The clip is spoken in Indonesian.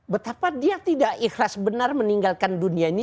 betapa dia tidak ikhlas benar meninggalkan dunia ini